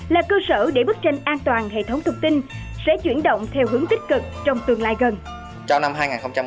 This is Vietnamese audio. là cơ sở để bức tranh an toàn hệ thống thông tin sẽ chuyển động theo hướng tích cực trong tương lai gần